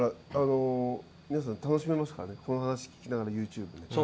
皆さん楽しめますからね聞きながらＹｏｕＴｕｂｅで。